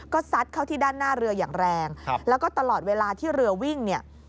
ก็ซัดเข้าที่ด้านหน้าเรืออย่างแรงแล้วก็ตลอดเวลาที่เรือวิ่งเนี่ย